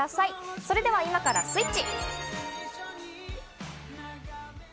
それでは、今からスイッチ。